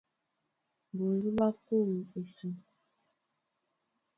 Mbonjó ɓá kôm esa,